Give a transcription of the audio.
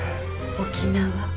沖縄。